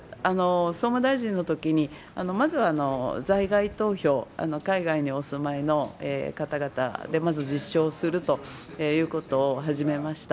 総務大臣のときに、まずは在外投票、海外にお住いの方々で、まず実証するということを始めました。